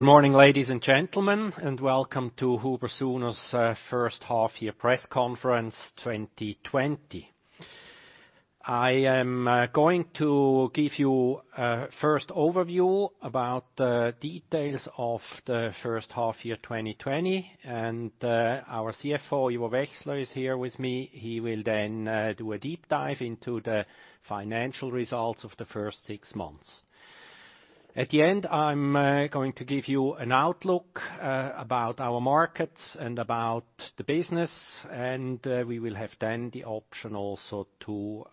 Morning, ladies and gentlemen. Welcome to HUBER+SUHNER's first half year press conference 2020. I am going to give you first, overview about the details of the first half year 2020, and our CFO, Ivo Wechsler, is here with me. He will do a deep dive into the financial results of the first six months. At the end, I'm going to give you an outlook about our markets and about the business, and we will have then the option also to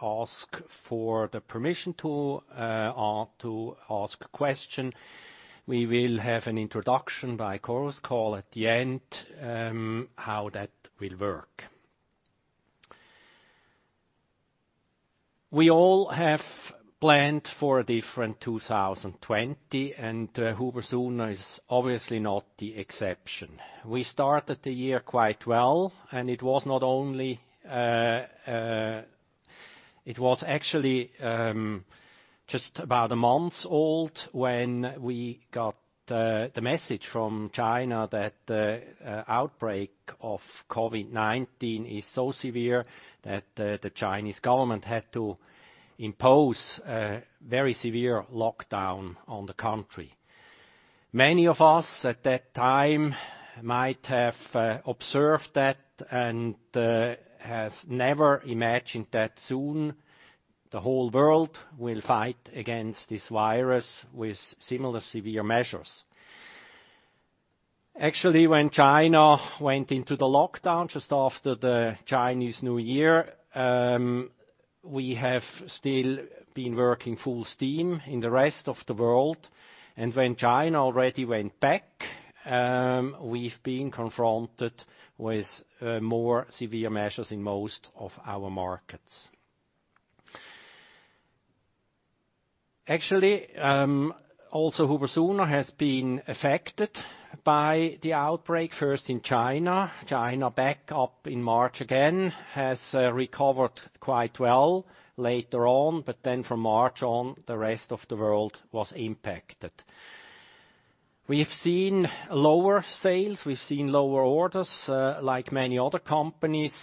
ask for the permission to ask a question. We will have an introduction by Chorus Call at the end, how that will work. We all have planned for a different 2020, and HUBER+SUHNER is obviously not the exception. We started the year quite well. It was actually just about a month old when we got the message from China that the outbreak of COVID-19 is so severe that the Chinese government had to impose a very severe lockdown on the country. Many of us at that time might have observed that and has never imagined that soon the whole world will fight against this virus with similar severe measures. Actually, when China went into the lockdown just after the Chinese New Year, we have still been working full steam in the rest of the world. When China already went back, we've been confronted with more severe measures in most of our markets. Actually, also HUBER+SUHNER has been affected by the outbreak, first in China. China, back up in March again, has recovered quite well later on, but then from March on, the rest of the world was impacted. We've seen lower sales, we've seen lower orders, like many other companies.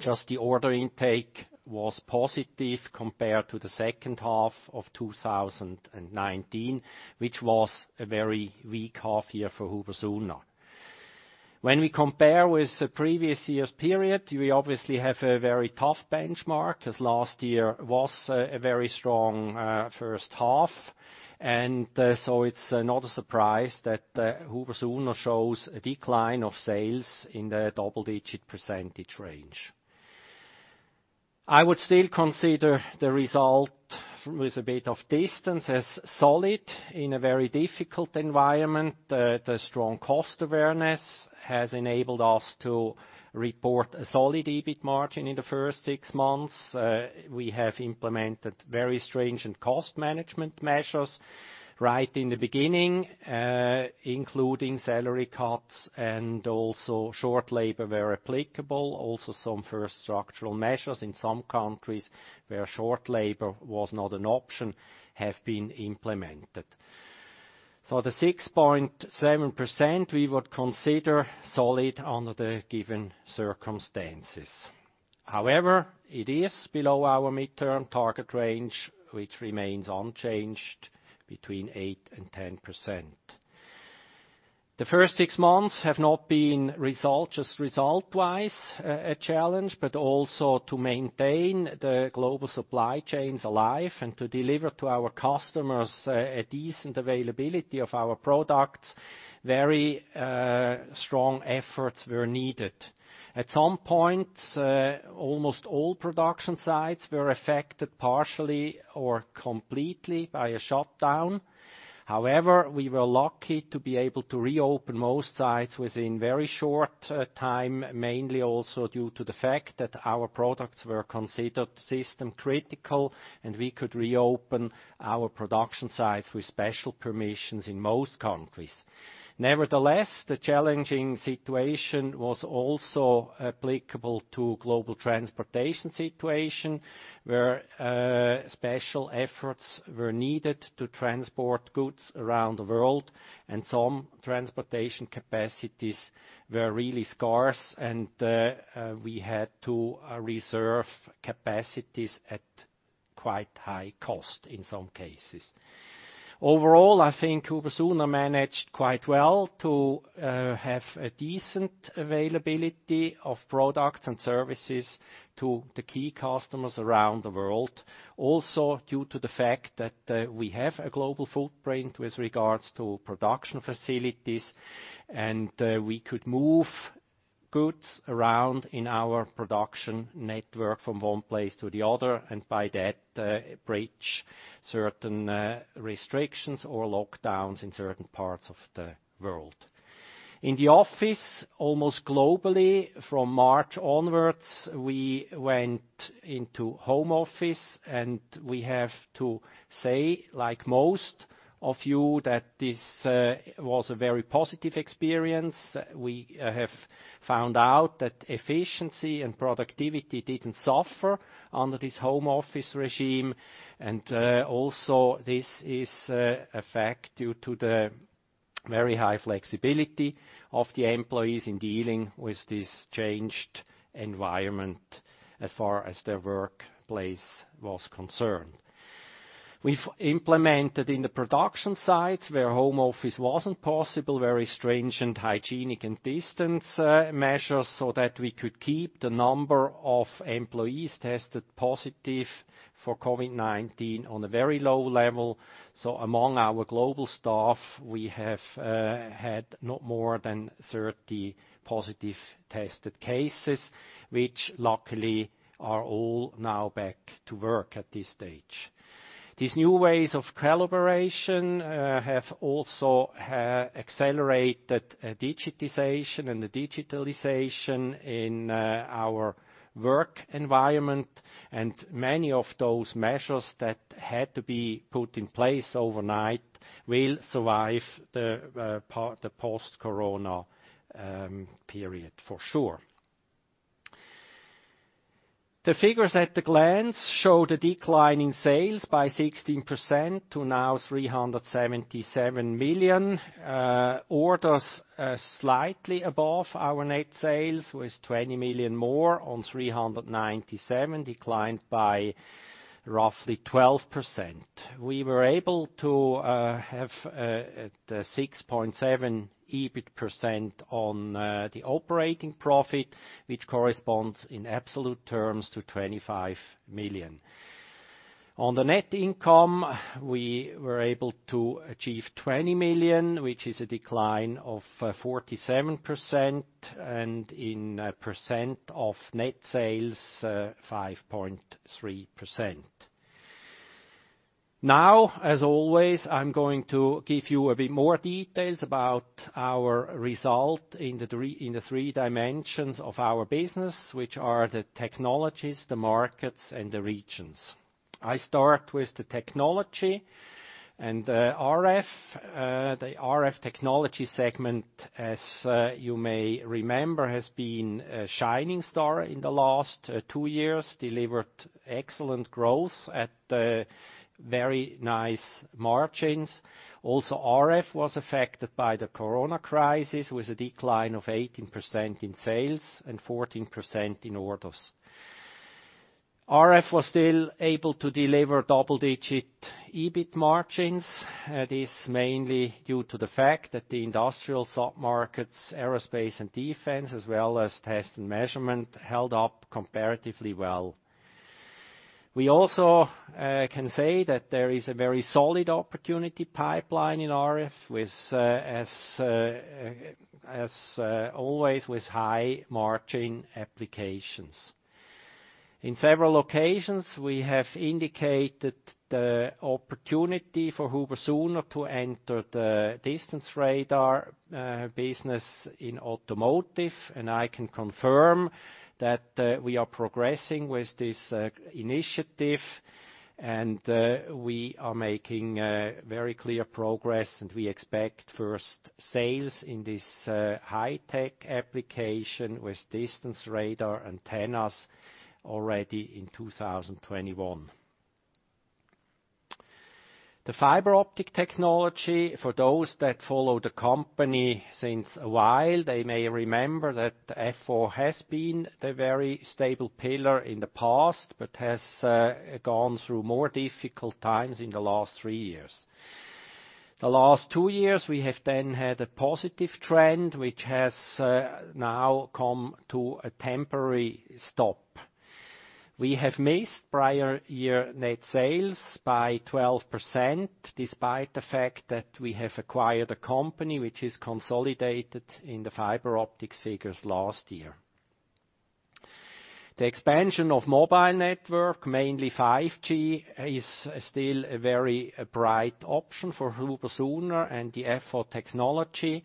Just the order intake was positive compared to the second half of 2019, which was a very weak half year for HUBER+SUHNER. When we compare with the previous year's period, we obviously have a very tough benchmark, as last year was a very strong first half. It's not a surprise that HUBER+SUHNER shows a decline of sales in the double-digit percentage range. I would still consider the result with a bit of distance as solid in a very difficult environment. The strong cost awareness has enabled us to report a solid EBIT margin in the first six months. We have implemented very stringent cost management measures right in the beginning, including salary cuts and also short labor where applicable. Some first structural measures in some countries where short labor was not an option have been implemented. The 6.7%, we would consider solid under the given circumstances. However, it is below our midterm target range, which remains unchanged between 8% and 10%. The first six months have not been just result-wise a challenge, but also to maintain the global supply chains alive and to deliver to our customers a decent availability of our products, very strong efforts were needed. At some point, almost all production sites were affected partially or completely by a shutdown. However, we were lucky to be able to reopen most sites within very short time, mainly also due to the fact that our products were considered system-critical, and we could reopen our production sites with special permissions in most countries. Nevertheless, the challenging situation was also applicable to global transportation situation, where special efforts were needed to transport goods around the world, and some transportation capacities were really scarce, and we had to reserve capacities at quite high cost in some cases. Overall, I think HUBER+SUHNER managed quite well to have a decent availability of products and services to the key customers around the world. Also, due to the fact that we have a global footprint with regards to production facilities, and we could move goods around in our production network from one place to the other, and by that, bridge certain restrictions or lockdowns in certain parts of the world. In the office, almost globally, from March onwards, we went into home office, and we have to say, like most of you, that this was a very positive experience. We have found out that efficiency and productivity didn't suffer under this home office regime. This is a fact due to the very high flexibility of the employees in dealing with this changed environment as far as their workplace was concerned. We've implemented in the production sites, where home office wasn't possible, very stringent hygienic and distance measures so that we could keep the number of employees tested positive for COVID-19 on a very low level. Among our global staff, we have had not more than 30 positive tested cases, which luckily are all now back to work at this stage. These new ways of collaboration have also accelerated digitization and the digitalization in our work environment, and many of those measures that had to be put in place overnight will survive the post-corona period for sure. The figures at a glance show the decline in sales by 16% to now 377 million. Orders slightly above our net sales, with 20 million more on 397 million, declined by roughly 12%. We were able to have the 6.7% EBIT on the operating profit, which corresponds in absolute terms to 25 million. On the net income, we were able to achieve 20 million, which is a decline of 47%, and in percent of net sales, 5.3%. Now, as always, I'm going to give you a bit more details about our result in the three dimensions of our business, which are the technologies, the markets, and the regions. I start with the technology and RF. The RF technology segment, as you may remember, has been a shining star in the last two years, delivered excellent growth at very nice margins. RF was affected by the COVID-19 crisis, with a decline of 18% in sales and 14% in orders. RF was still able to deliver double-digit EBIT margins. That is mainly due to the fact that the industrial submarkets, aerospace and defense, as well as test and measurement, held up comparatively well. We also can say that there is a very solid opportunity pipeline in RF, as always, with high-margin applications. In several occasions, we have indicated the opportunity for HUBER+SUHNER to enter the distance radar business in automotive, and I can confirm that we are progressing with this initiative, and we are making very clear progress. We expect first sales in this high-tech application with distance radar antennas already in 2021. The fiber optic technology, for those that follow the company since a while, they may remember that FO has been the very stable pillar in the past, but has gone through more difficult times in the last three years. The last two years, we have then had a positive trend, which has now come to a temporary stop. We have missed prior year net sales by 12%, despite the fact that we have acquired a company which is consolidated in the Fiber Optics figures last year. The expansion of mobile network, mainly 5G, is still a very bright option for HUBER+SUHNER and the FO technology,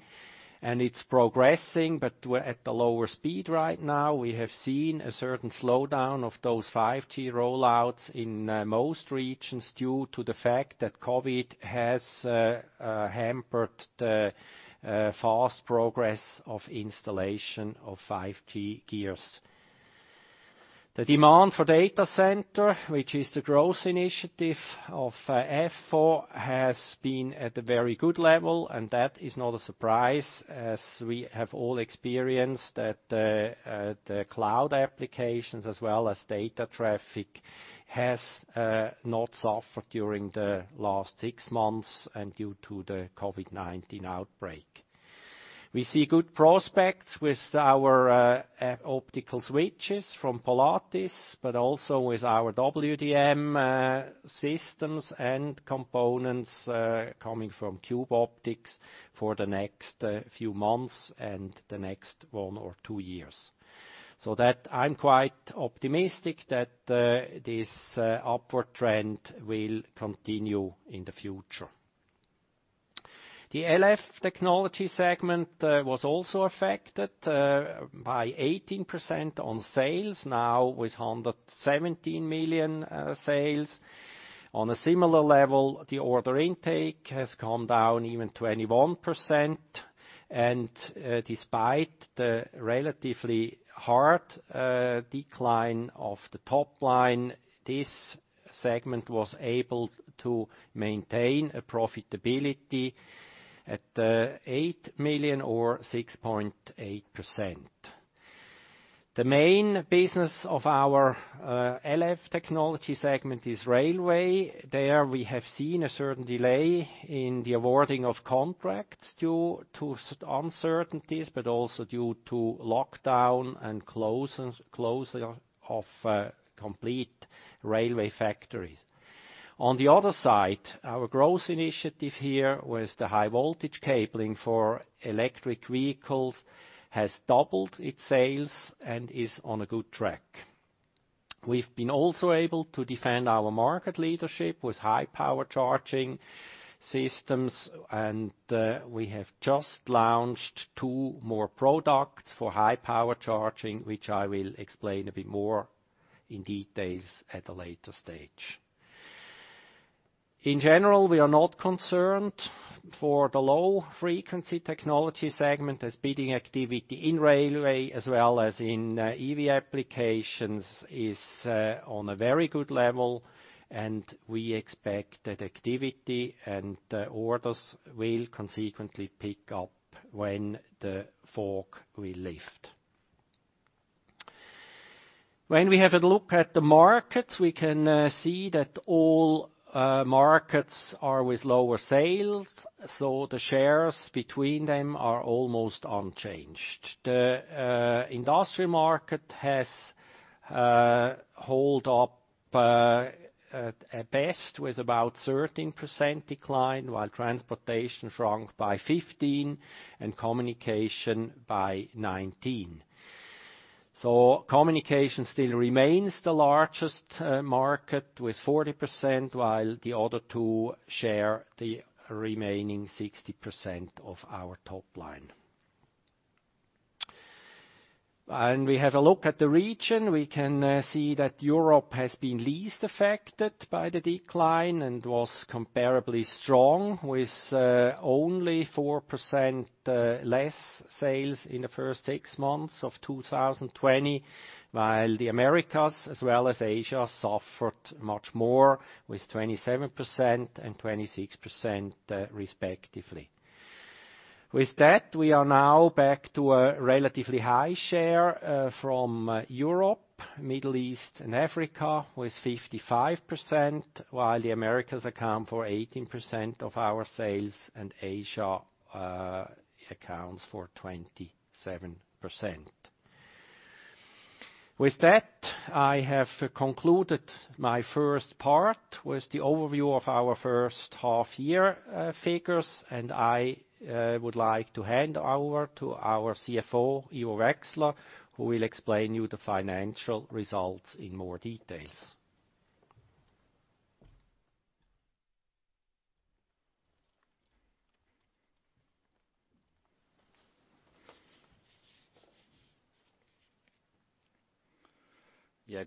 and it's progressing, but we're at a lower speed right now. We have seen a certain slowdown of those 5G roll-outs in most regions due to the fact that COVID-19 has hampered the fast progress of installation of 5G gears. The demand for data center, which is the growth initiative of FO, has been at a very good level, and that is not a surprise, as we have all experienced that the cloud applications as well as data traffic has not suffered during the last six months and due to the COVID-19 outbreak. We see good prospects with our optical switches from Polatis, but also with our WDM systems and components coming from Cube Optics for the next few months and the next one or two years. That I'm quite optimistic that this upward trend will continue in the future. The LF technology segment was also affected by 18% on sales, now with 117 million sales. On a similar level, the order intake has come down even 21%. Despite the relatively hard decline of the top line, this segment was able to maintain a profitability at 8 million or 6.8%. The main business of our LF technology segment is railway. There we have seen a certain delay in the awarding of contracts due to uncertainties, but also due to lockdown and closing of complete railway factories. On the other side, our growth initiative here was the high voltage cabling for electric vehicles has doubled its sales and is on a good track. We've been also able to defend our market leadership with high-power charging systems, and we have just launched two more products for high-power charging, which I will explain a bit more in details at a later stage. In general, we are not concerned for the low-frequency technology segment as bidding activity in railway as well as in EV applications is on a very good level. We expect that activity and orders will consequently pick up when the fog will lift. We have a look at the markets, we can see that all markets are with lower sales. The shares between them are almost unchanged. The industrial market has hold up at best with about 13% decline, while transportation shrunk by 15% and communication by 19%. Communication still remains the largest market with 40%, while the other two share the remaining 60% of our top line. We have a look at the region, we can see that Europe has been least affected by the decline and was comparably strong with only 4% less sales in the first 6 months of 2020, while the Americas as well as Asia suffered much more with 27% and 26%, respectively. With that, we are now back to a relatively high share from Europe, Middle East, and Africa, with 55%, while the Americas account for 18% of our sales and Asia accounts for 27%. With that, I have concluded my first part with the overview of our first half year figures, and I would like to hand over to our CFO, Ivo Wechsler, who will explain you the financial results in more details.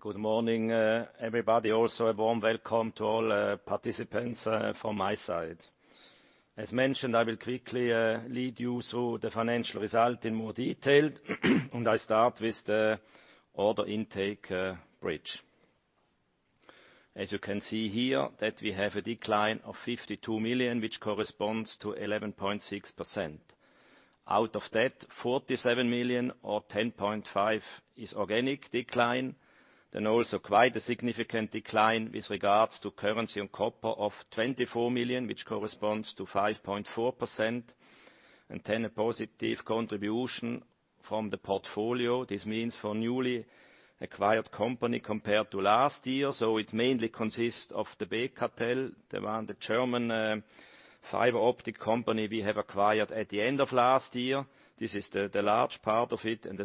Good morning, everybody. A warm welcome to all participants from my side. As mentioned, I will quickly lead you through the financial result in more detail. I start with the order intake bridge. As you can see here, that we have a decline of 52 million, which corresponds to 11.6%. Out of that, 47 million or 10.5% is organic decline. Also quite a significant decline with regards to currency and copper of 24 million, which corresponds to 5.4%. A positive contribution from the portfolio. This means for newly acquired company compared to last year, it mainly consists of the BKtel. They are the German fiber optic company we have acquired at the end of last year. This is the large part of it, and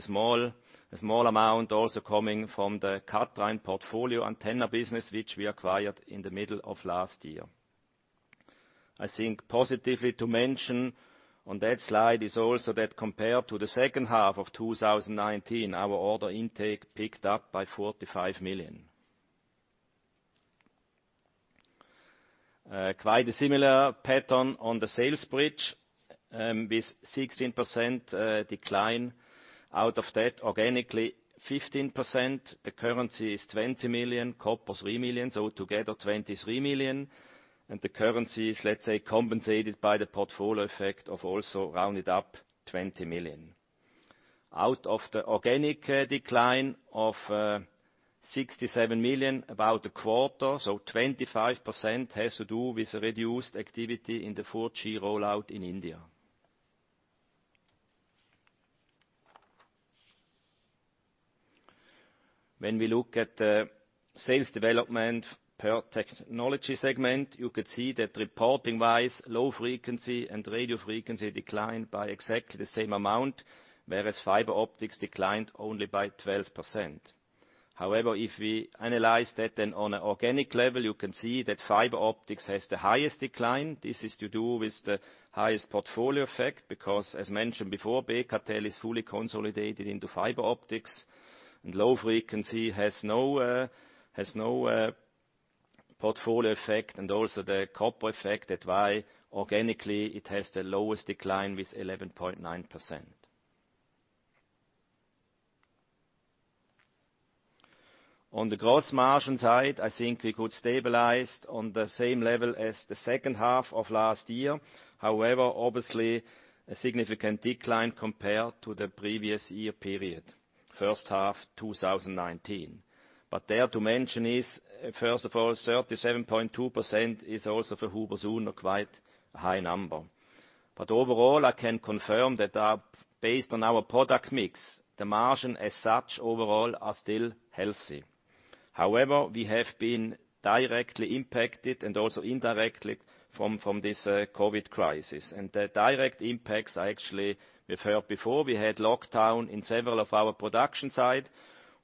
a small amount also coming from the Kathrein portfolio antenna business which we acquired in the middle of last year. I think positively to mention on that slide is also that compared to the second half of 2019, our order intake picked up by 45 million. Quite a similar pattern on the sales bridge, with 16% decline. Out of that, organically 15%, the currency is 20 million, copper 3 million, so together 23 million. The currency is, let's say, compensated by the portfolio effect of also rounded up 20 million. Out of the organic decline of 67 million, about a quarter, so 25%, has to do with reduced activity in the 4G rollout in India. When we look at the sales development per technology segment, you could see that reporting-wise, low frequency and radio frequency declined by exactly the same amount, whereas Fiber Optics declined only by 12%. If we analyze that then on an organic level, you can see that Fiber Optics has the highest decline. This is to do with the highest portfolio effect because as mentioned before, BKtel is fully consolidated into Fiber Optics and low frequency has no portfolio effect and also the copper effect that why organically it has the lowest decline with 11.9%. On the gross margin side, I think we could stabilize on the same level as the second half of last year. Obviously, a significant decline compared to the previous year period, first half 2019. There to mention is, first of all, 37.2% is also for HUBER+SUHNER quite a high number. Overall, I can confirm that based on our product mix, the margin as such overall are still healthy. However, we have been directly impacted and also indirectly from this COVID crisis. The direct impacts are actually, we've heard before, we had lockdown in several of our production site.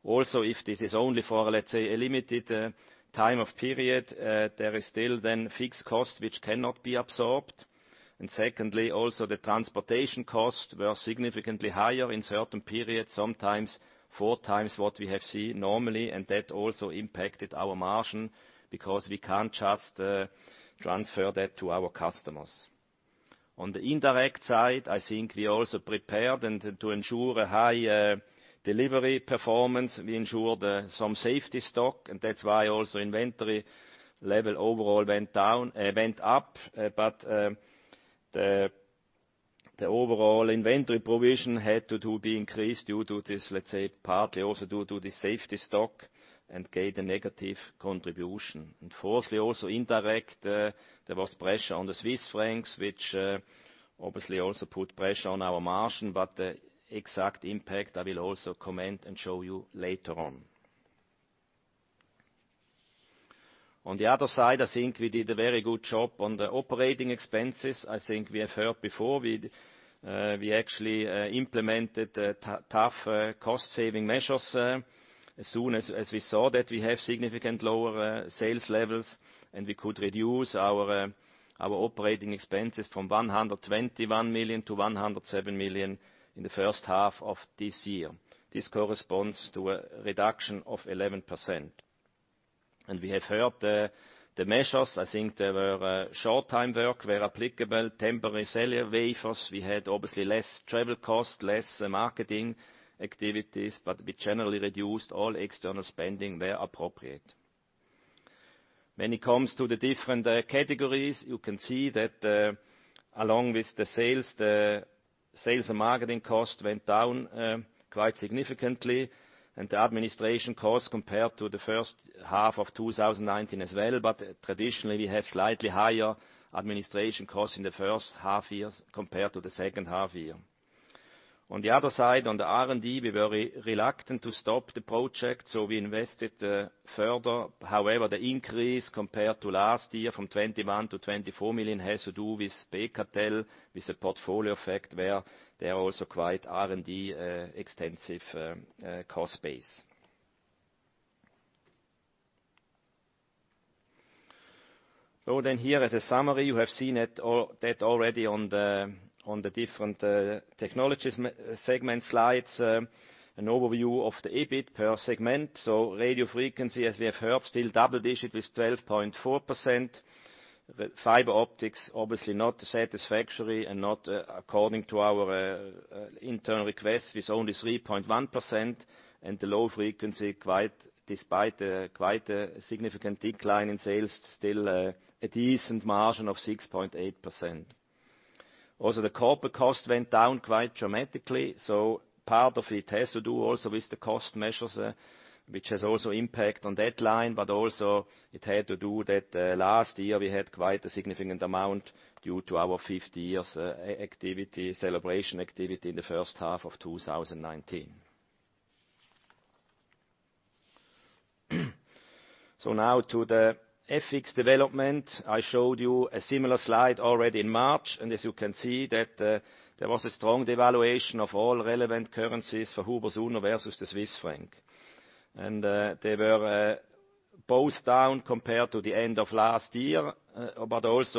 Also, if this is only for, let's say, a limited time of period, there is still then fixed cost, which cannot be absorbed. Secondly, also the transportation costs were significantly higher in certain periods, sometimes four times what we have seen normally, and that also impacted our margin because we can't just transfer that to our customers. On the indirect side, I think we are also prepared and to ensure a high delivery performance, we ensured some safety stock, and that's why also inventory level overall went up. The overall inventory provision had to be increased due to this, let's say, partly also due to the safety stock and gave the negative contribution. Fourthly, also indirect, there was pressure on the Swiss franc, which obviously also put pressure on our margin, the exact impact I will also comment and show you later on. On the other side, I think we did a very good job on the OpEx. I think we have heard before, we actually implemented tough cost-saving measures, as soon as we saw that we have significantly lower sales levels and we could reduce our OpEx from 121 million to 107 million in the first half of this year. This corresponds to a reduction of 11%. We have heard the measures. I think there were short time work where applicable, temporary salary waivers. We had obviously less travel cost, less marketing activities, but we generally reduced all external spending where appropriate. When it comes to the different categories, you can see that along with the sales and marketing costs went down quite significantly, and the administration costs compared to the first half of 2019 as well. Traditionally, we have slightly higher administration costs in the first half year compared to the second half year. On the R&D, we were reluctant to stop the project, we invested further. The increase compared to last year from 21 million-24 million has to do with BKtel, with the portfolio effect, where they are also quite R&D extensive cost base. Here as a summary, you have seen that already on the different technologies segment slides, an overview of the EBIT per segment. Radio Frequency, as we have heard, still double-digit with 12.4%. The Fiber Optics, obviously not satisfactory and not according to our internal request, with only 3.1%, and the Low Frequency, despite a quite significant decline in sales, still a decent margin of 6.8%. The corporate cost went down quite dramatically. Part of it has to do also with the cost measures, which has also impact on that line, but also it had to do that last year, we had quite a significant amount due to our 50-year celebration activity in the first half of 2019. Now to the FX development. I showed you a similar slide already in March, and as you can see that there was a strong devaluation of all relevant currencies for HUBER+SUHNER versus the Swiss franc. They were both down compared to the end of last year.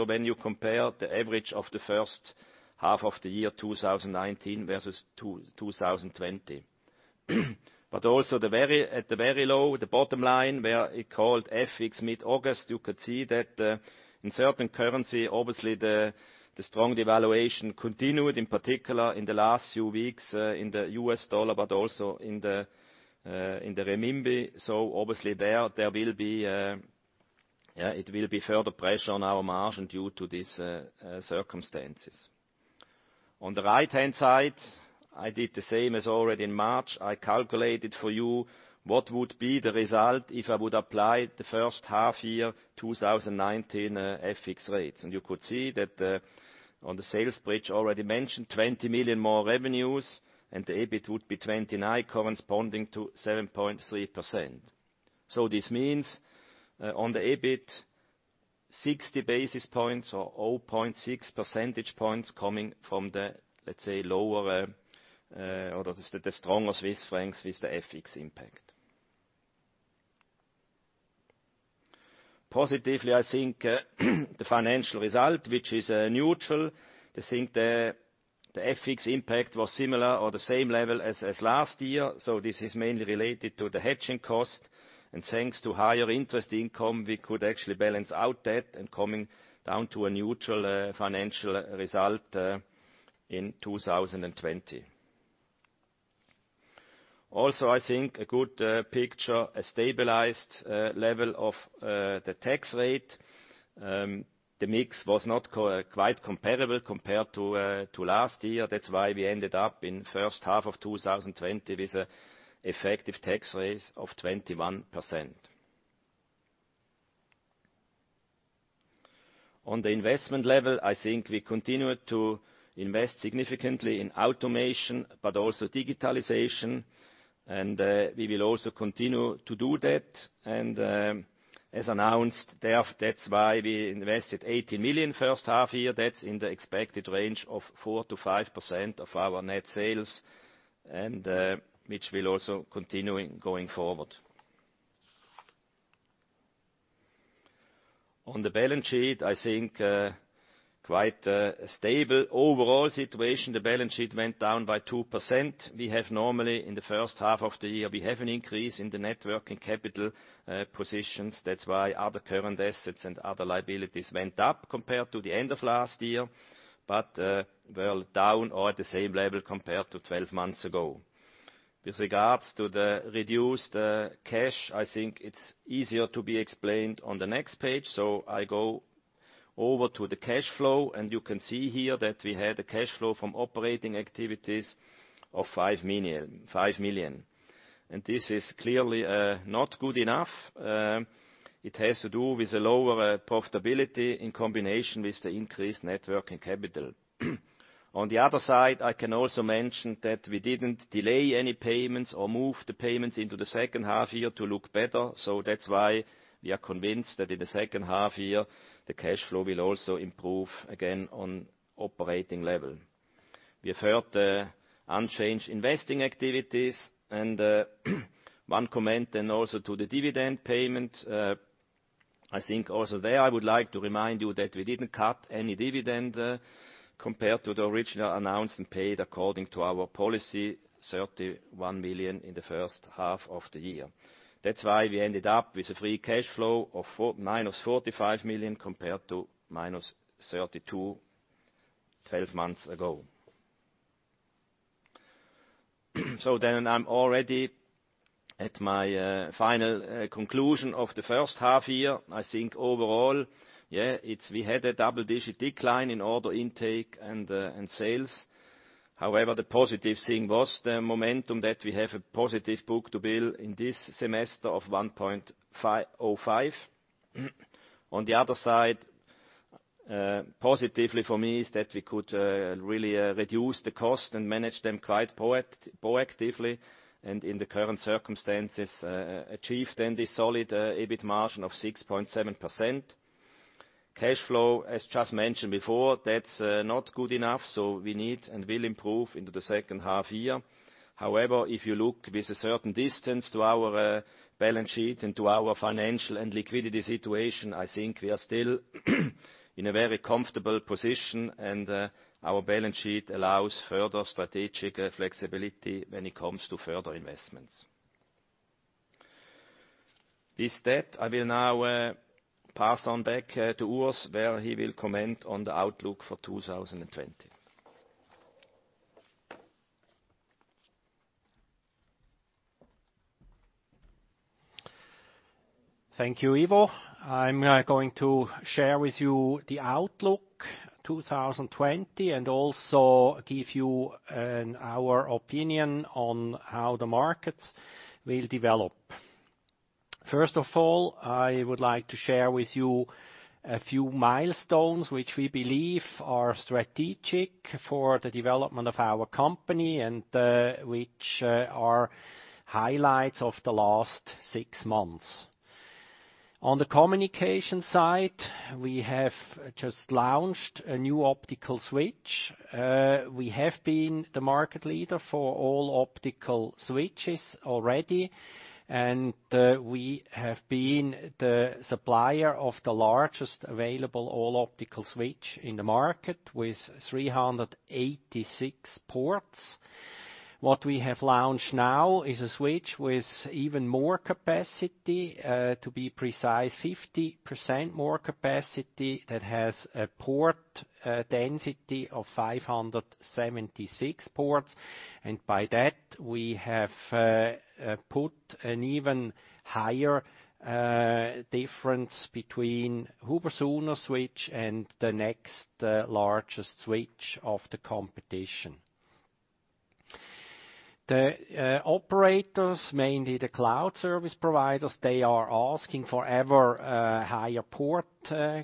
When you compare the average of the first half of the year 2019 versus 2020. At the very low, the bottom line, where it called FX mid-August, you could see that in certain currency, obviously, the strong devaluation continued, in particular in the last few weeks in the USD, but also in the RMB. Obviously there will be further pressure on our margin due to these circumstances. On the right-hand side, I did the same as already in March. I calculated for you what would be the result if I would apply the first half year 2019 FX rates. You could see that on the sales bridge already mentioned, 20 million more revenues, and the EBIT would be 29 million, corresponding to 7.3%. This means, on the EBIT, 60 basis points or 0.6 percentage points coming from the, let's say, lower or the stronger Swiss francs with the FX impact. Positively, I think the financial result, which is neutral. I think the FX impact was similar on the same level as last year. This is mainly related to the hedging cost. Thanks to higher interest income, we could actually balance out that and coming down to a neutral financial result in 2020. I think a good picture, a stabilized level of the tax rate. The mix was not quite comparable compared to last year. That's why we ended up in first half of 2020 with effective tax rates of 21%. On the investment level, I think we continued to invest significantly in automation, but also digitalization. We will also continue to do that. As announced, that's why we invested 18 million first half year. That's in the expected range of 4%-5% of our net sales, and which will also continuing going forward. On the balance sheet, I think quite a stable overall situation. The balance sheet went down by 2%. We have normally in the first half of the year, we have an increase in the net working capital positions. That's why other current assets and other liabilities went up compared to the end of last year. Were down or at the same level compared to 12 months ago. With regards to the reduced cash, I think it's easier to be explained on the next page. I go over to the cash flow, and you can see here that we had a cash flow from operating activities of 5 million. This is clearly not good enough. It has to do with the lower profitability in combination with the increased net working capital. On the other side, I can also mention that we didn't delay any payments or move the payments into the second half year to look better. That's why we are convinced that in the second half year, the cash flow will also improve again on operating level. We have further unchanged investing activities, and one comment then also to the dividend payment. I think also there, I would like to remind you that we didn't cut any dividend compared to the original announced and paid according to our policy, 31 million in the first half of the year. That's why we ended up with a free cash flow of -45 million compared to -32, 12 months ago. I'm already at my final conclusion of the first half year. I think overall, yeah, we had a double-digit decline in order intake and sales. The positive thing was the momentum that we have a positive book-to-bill in this semester of 1.05. On the other side, positively for me is that we could really reduce the costs and manage them quite proactively, and in the current circumstances, achieve then this solid EBIT margin of 6.7%. Cash flow, as just mentioned before, that's not good enough. We need and will improve into the second half year. If you look with a certain distance to our balance sheet and to our financial and liquidity situation, I think we are still in a very comfortable position, and our balance sheet allows further strategic flexibility when it comes to further investments. With that, I will now pass on back to Urs, where he will comment on the outlook for 2020. Thank you, Ivo. I'm now going to share with you the outlook 2020 and also give you our opinion on how the markets will develop. First of all, I would like to share with you a few milestones which we believe are strategic for the development of our company and which are highlights of the last six months. On the communication side, we have just launched a new optical switch. We have been the market leader for all optical switches already, and we have been the supplier of the largest available all optical switch in the market with 386 ports. What we have launched now is a switch with even more capacity, to be precise, 50% more capacity that has a port density of 576 ports. By that, we have put an even higher difference between HUBER+SUHNER switch and the next largest switch of the competition. The operators, mainly the cloud service providers, they are asking for ever higher port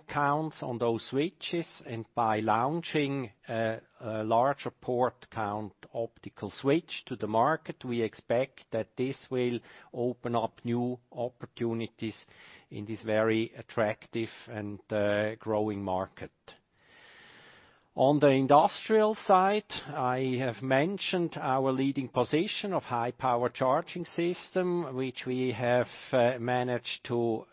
counts on those switches. By launching a larger port count optical switch to the market, we expect that this will open up new opportunities in this very attractive and growing market. On the industrial side, I have mentioned our leading position of high-power charging system, which we have managed to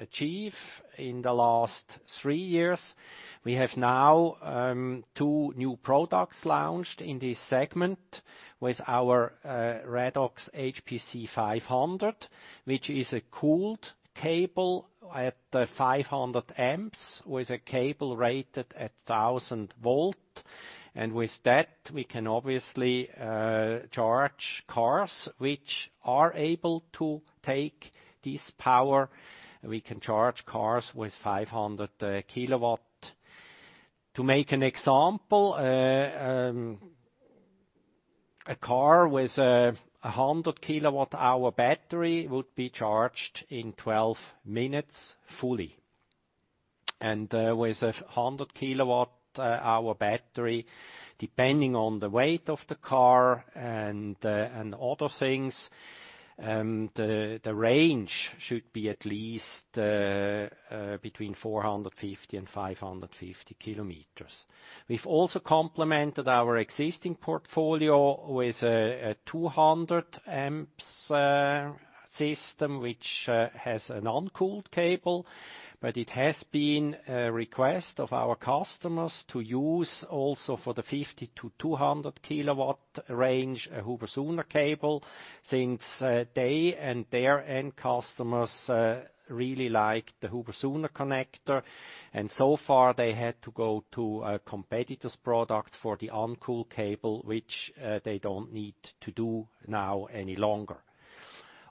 achieve in the last three years. We have now two new products launched in this segment with our RADOX HPC500, which is a cooled cable at 500 amps, with a cable rated at 1,000 V. With that, we can obviously charge cars which are able to take this power. We can charge cars with 500 kW. To make an example, a car with a 100 kWh battery would be charged in 12 minutes fully. With a 100 kWh battery, depending on the weight of the car and other things, the range should be at least between 450 km and 550 km. We've also complemented our existing portfolio with a 200 amps system, which has an uncooled cable. It has been a request of our customers to use also for the 50 to 200 kilowatt range, a HUBER+SUHNER cable, since they and their end customers really like the HUBER+SUHNER connector. Far, they had to go to a competitor's product for the uncooled cable, which they don't need to do now any longer.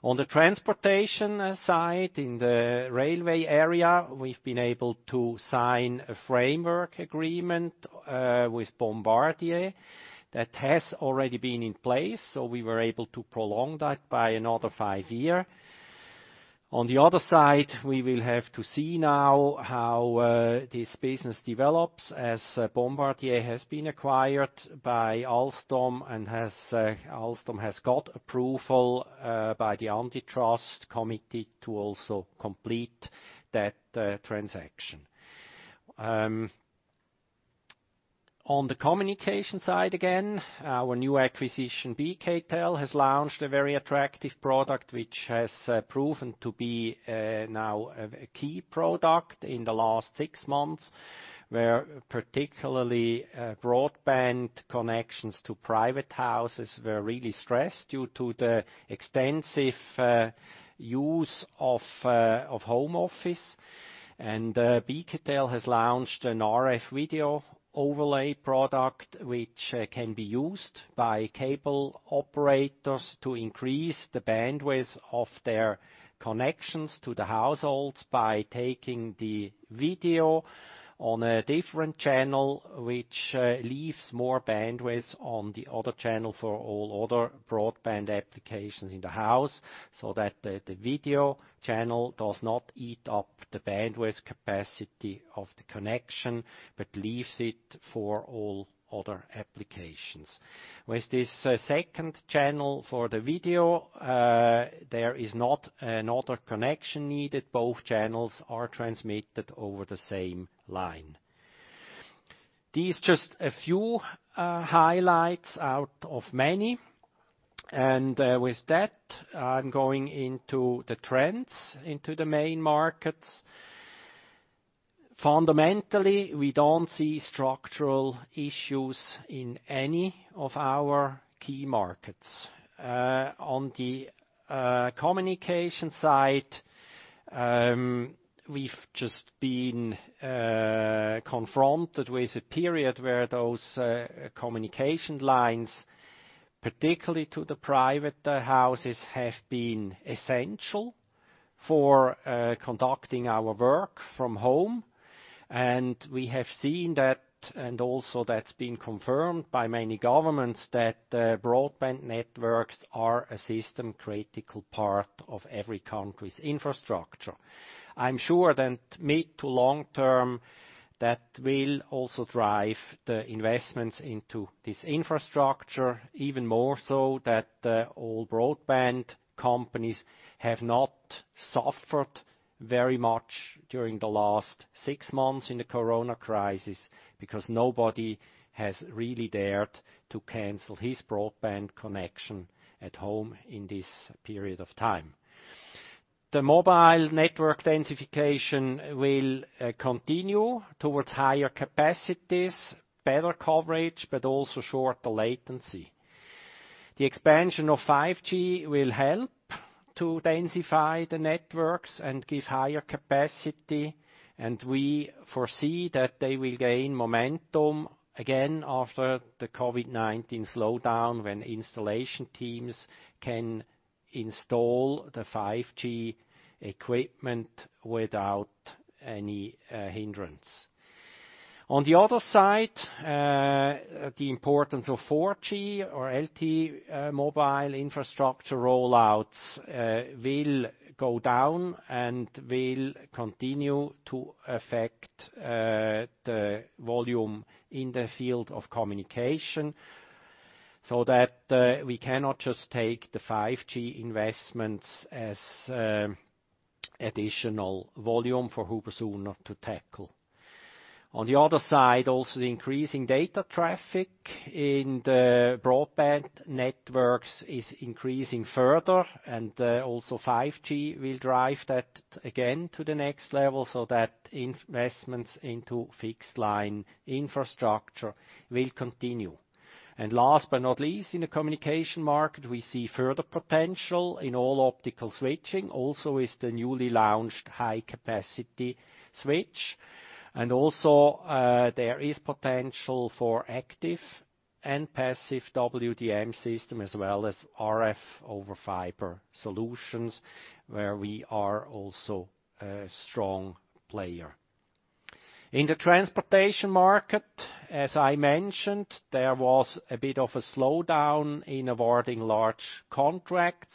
On the transportation side, in the railway area, we've been able to sign a framework agreement with Bombardier that has already been in place. We were able to prolong that by another five year. On the other side, we will have to see now how this business develops, as Bombardier has been acquired by Alstom, and Alstom has got approval by the Antitrust Committee to also complete that transaction. On the communication side again, our new acquisition, BKtel, has launched a very attractive product, which has proven to be now a key product in the last six months, where particularly broadband connections to private houses were really stressed due to the extensive use of home office. BKtel has launched an RF Video Overlay product, which can be used by cable operators to increase the bandwidth of their connections to the households by taking the video on a different channel, which leaves more bandwidth on the other channel for all other broadband applications in the house, so that the video channel does not eat up the bandwidth capacity of the connection, but leaves it for all other applications. With this second channel for the video, there is not another connection needed. Both channels are transmitted over the same line. These just a few highlights out of many. With that, I'm going into the trends into the main markets. Fundamentally, we don't see structural issues in any of our key markets. On the communication side, we've just been confronted with a period where those communication lines, particularly to the private houses, have been essential for conducting our work from home. We have seen that, and also that's been confirmed by many governments, that broadband networks are a system-critical part of every country's infrastructure. I'm sure that mid to long term, that will also drive the investments into this infrastructure even more so that all broadband companies have not suffered very much during the last six months in the coronavirus crisis because nobody has really dared to cancel his broadband connection at home in this period of time. The mobile network densification will continue towards higher capacities, better coverage, but also shorter latency. The expansion of 5G will help to densify the networks and give higher capacity, and we foresee that they will gain momentum again after the COVID-19 slowdown, when installation teams can install the 5G equipment without any hindrance. On the other side, the importance of 4G or LTE mobile infrastructure rollouts will go down and will continue to affect the volume in the field of communication. That we cannot just take the 5G investments as additional volume for HUBER+SUHNER to tackle. On the other side, also the increasing data traffic in the broadband networks is increasing further, and also 5G will drive that again to the next level, so that investments into fixed line infrastructure will continue. Last but not least, in the communication market, we see further potential in all optical switching, also with the newly launched high-capacity switch. Also, there is potential for active and passive WDM system, as well as RF over fiber solutions, where we are also a strong player. In the transportation market, as I mentioned, there was a bit of a slowdown in awarding large contracts.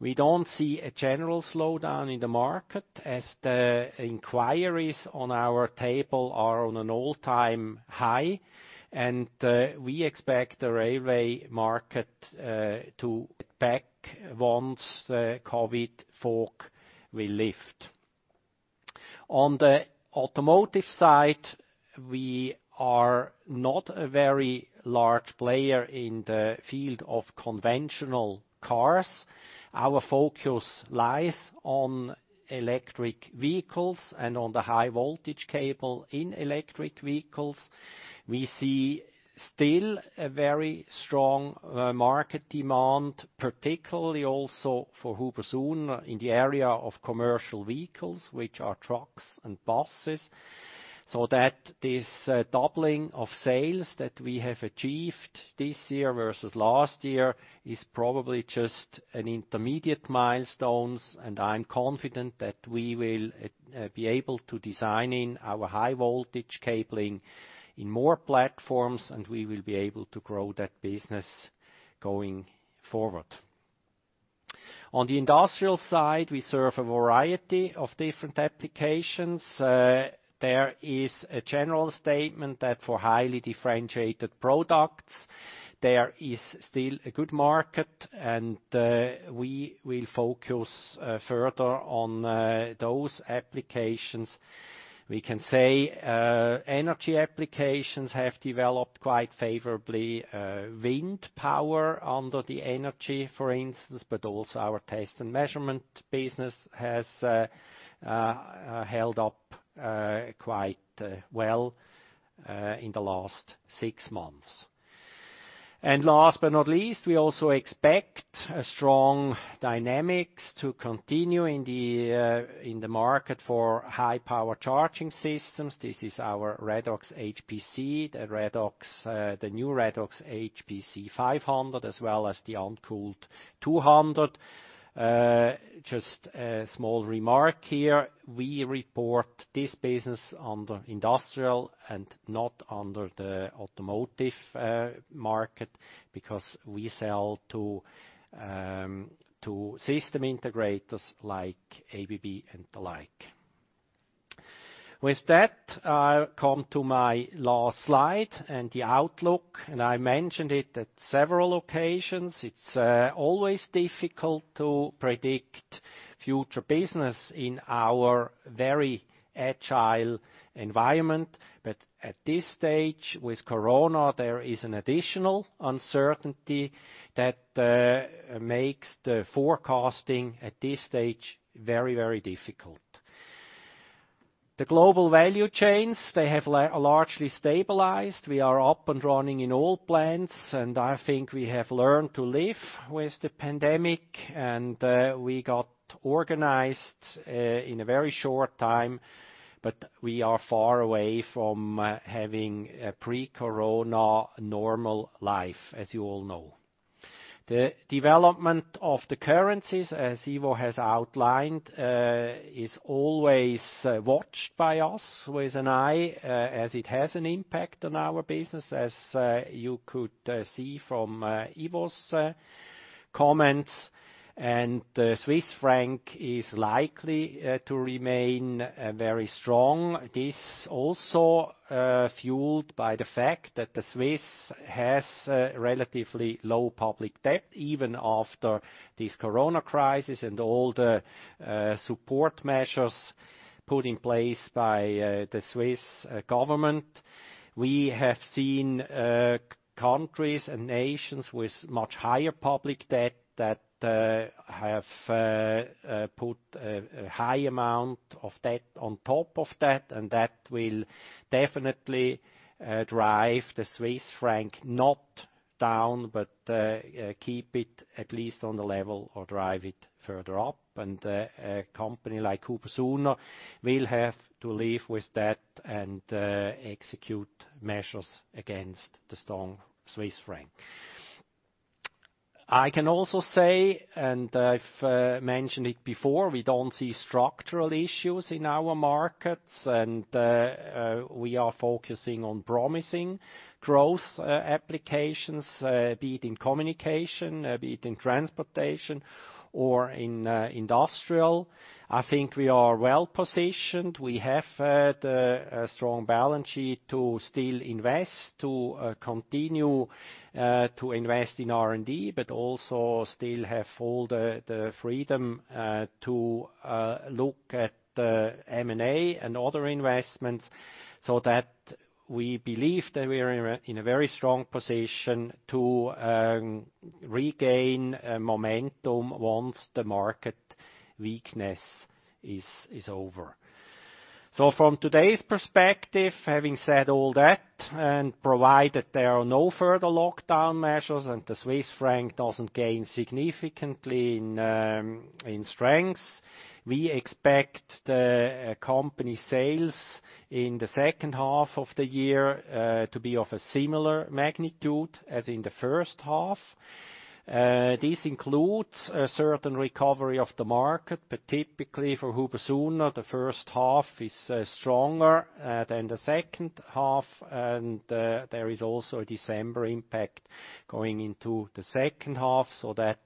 We don't see a general slowdown in the market, as the inquiries on our table are on an all-time high. We expect the railway market to pick back once the COVID fog will lift. On the automotive side, we are not a very large player in the field of conventional cars. Our focus lies on electric vehicles and on the high voltage cable in electric vehicles. We see still a very strong market demand, particularly also for HUBER+SUHNER in the area of commercial vehicles, which are trucks and buses. That this doubling of sales that we have achieved this year versus last year is probably just an intermediate milestones. I'm confident that we will be able to design in our high voltage cabling in more platforms, and we will be able to grow that business going forward. On the industrial side, we serve a variety of different applications. There is a general statement that for highly differentiated products, there is still a good market, and we will focus further on those applications. We can say energy applications have developed quite favorably. Wind power under the energy, for instance, but also our test and measurement business has held up quite well in the last six months. Last but not least, we also expect strong dynamics to continue in the market for high-power charging systems. This is our RADOX HPC, the new RADOX HPC500 as well as the uncooled 200. Just a small remark here, we report this business under industrial and not under the automotive market because we sell to system integrators like ABB and the like. With that, I come to my last slide and the outlook. I mentioned it at several occasions. At this stage with Corona, there is an additional uncertainty that makes the forecasting at this stage very difficult. The global value chains, they have largely stabilized. We are up and running in all plants. I think we have learned to live with the pandemic. We got organized in a very short time. We are far away from having a pre-Corona normal life, as you all know. The development of the currencies, as Ivo has outlined, is always watched by us with an eye, as it has an impact on our business, as you could see from Ivo's comments. The Swiss franc is likely to remain very strong. This also fueled by the fact that the Swiss has a relatively low public debt, even after this Corona crisis and all the support measures put in place by the Swiss government. We have seen countries and nations with much higher public debt that have put a high amount of debt on top of that, and that will definitely drive the Swiss franc not down, but keep it at least on the level or drive it further up. A company like HUBER+SUHNER will have to live with that and execute measures against the strong Swiss franc. I can also say, I've mentioned it before, we don't see structural issues in our markets, and we are focusing on promising growth applications, be it in communication, be it in transportation or in industrial. I think we are well-positioned. We have a strong balance sheet to still invest, to continue to invest in R&D, but also still have all the freedom to look at M&A and other investments so that we believe that we are in a very strong position to regain momentum once the market weakness is over. From today's perspective, having said all that, and provided there are no further lockdown measures and the Swiss franc doesn't gain significantly in strength, we expect the company sales in the second half of the year to be of a similar magnitude as in the first half. This includes a certain recovery of the market. Typically for HUBER+SUHNER, the first half is stronger than the second half. There is also a December impact going into the second half, that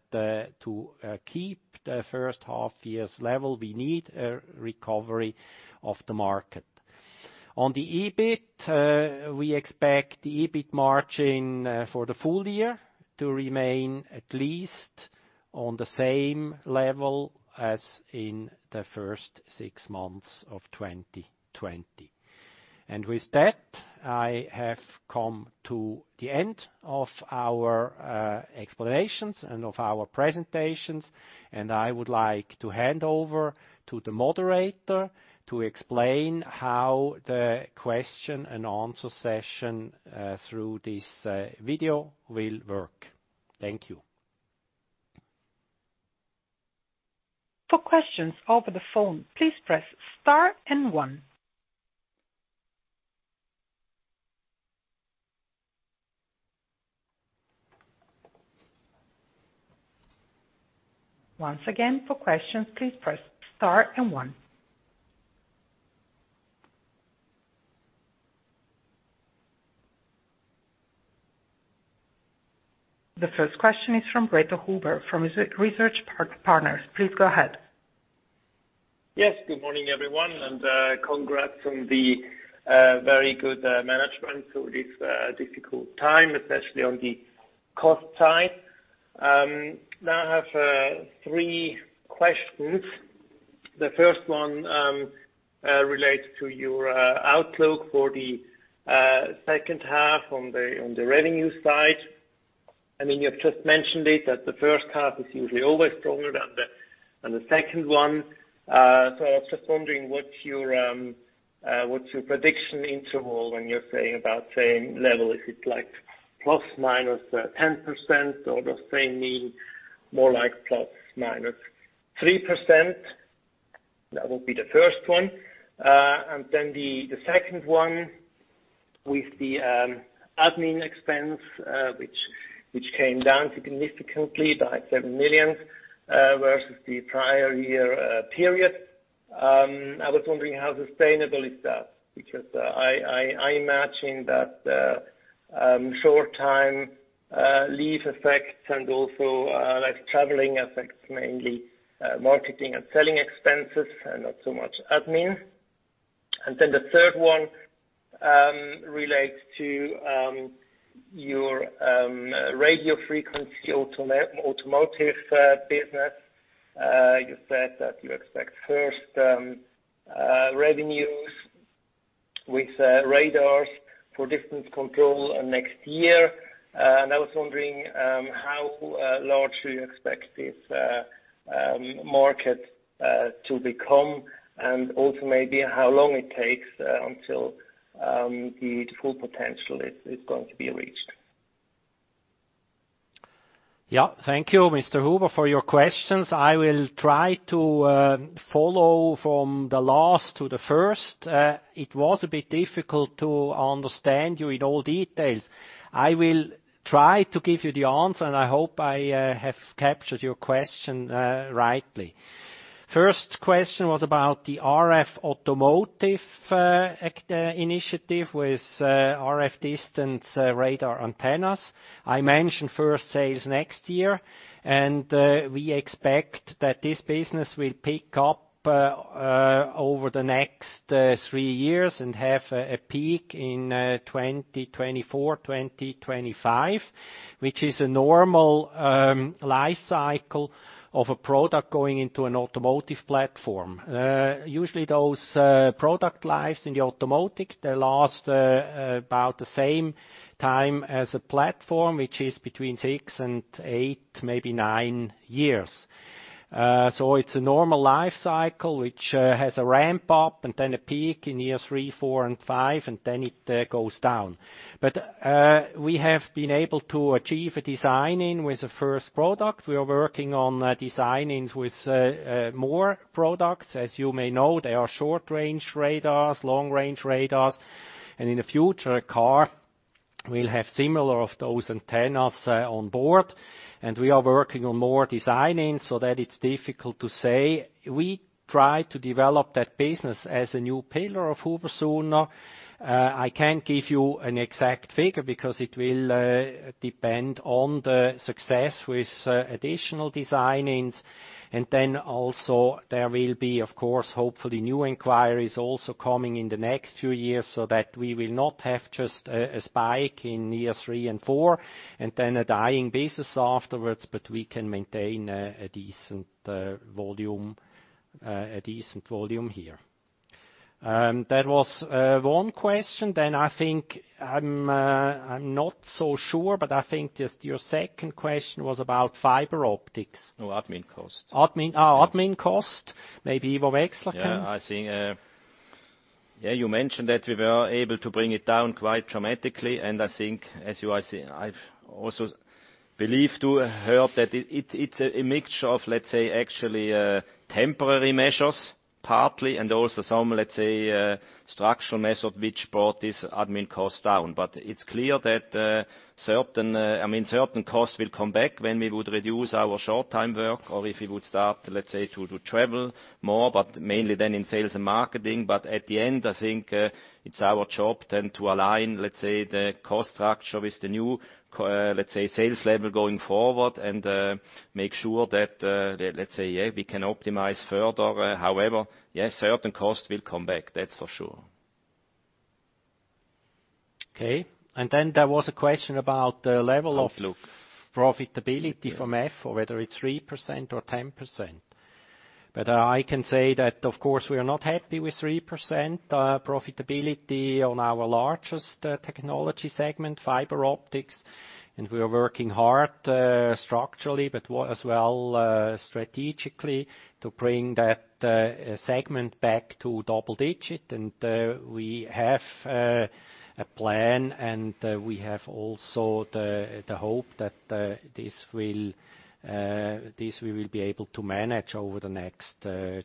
to keep the first half year's level, we need a recovery of the market. On the EBIT, we expect the EBIT margin for the full-year to remain at least on the same level as in the first six months of 2020. With that, I have come to the end of our explanations of our presentations. I would like to hand over to the moderator to explain how the question-and-answer session through this video will work. Thank you. Questions over the phone please press star and one. The first question is from Reto Huber from Research Partners. Please go ahead. Good morning, everyone. Congrats on the very good management through this difficult time, especially on the cost side. I have three questions. The first one relates to your outlook for the second half on the revenue side. I mean, you have just mentioned it, that the first half is usually always stronger than the second one. I was just wondering what's your prediction interval when you're saying about same level. Is it like ±10%? Does same mean more like ±3%? That would be the first one. The second one, with the admin expense which came down significantly, by 7 million, versus the prior year period. I was wondering how sustainable is that? I'm imagining that the short-time leave effects and also traveling effects, mainly marketing and selling expenses, and not so much admin. The third one relates to your RF automotive business. You said that you expect first revenues with radars for distance control next year. I was wondering how large you expect this market to become. Also maybe how long it takes until the full potential is going to be reached. Yeah. Thank you, Mr. Huber, for your questions. I will try to follow from the last to the first. It was a bit difficult to understand you in all details. I will try to give you the answer, and I hope I have captured your question rightly. First question was about the RF automotive initiative with RF distance radar antennas. I mentioned first sales next year, and we expect that this business will pick up over the next three years and have a peak in 2024, 2025, which is a normal life cycle of a product going into an automotive platform. Usually those product lives in the automotive, they last about the same time as a platform, which is between six and eight, maybe nine years. It's a normal life cycle which has a ramp up and then a peak in year three, four, and five, and then it goes down. We have been able to achieve a design in with the first product. We are working on design ins with more products. As you may know, there are short-range radars, long-range radars, and in the future, a car will have similar of those antennas on board. We are working on more design-ins so that it's difficult to say. We try to develop that business as a new pillar of HUBER+SUHNER. I can't give you an exact figure because it will depend on the success with additional design ins, and then also there will be, of course, hopefully new inquiries also coming in the next few years, so that we will not have just a spike in year three and four, and then a dying business afterwards, but we can maintain a decent volume here. That was one question. I think I'm not so sure, but I think your second question was about Fiber Optics. No, admin cost. Admin cost? Maybe Ivo Wechsler can. You mentioned that we were able to bring it down quite dramatically, and I think, I also believe I've heard that it's a mixture of, let's say, actually temporary measures partly and also some, let's say, structural measures which brought this admin costs down. It's clear that certain costs will come back when we would reduce our short-time work or if we would start, let's say, to travel more, but mainly then in sales and marketing. At the end, I think it's our job then to align, let's say, the cost structure with the new, let's say, sales level going forward and make sure that, let's say, we can optimize further. However, yes, certain costs will come back. That's for sure. Okay. Then there was a question. Outlook profitability from FO or whether it's 3% or 10%. I can say that, of course, we are not happy with 3% profitability on our largest technology segment, Fiber Optics. We are working hard structurally, but as well strategically to bring that segment back to double-digit. We have a plan, and we have also the hope that this we will be able to manage over the next